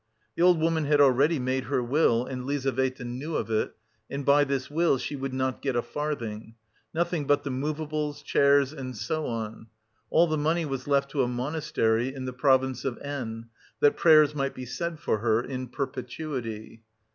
The old woman had already made her will, and Lizaveta knew of it, and by this will she would not get a farthing; nothing but the movables, chairs and so on; all the money was left to a monastery in the province of N , that prayers might be said for her in perpetuity.